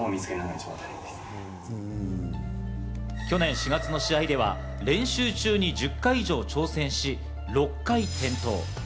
去年４月の試合では練習中に１０回以上挑戦し、６回転倒。